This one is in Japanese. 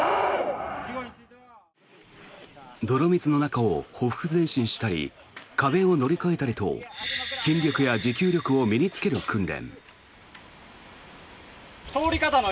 泥水の中をほふく前進したり壁を乗り越えたりと筋力や持久力を身に着ける訓練。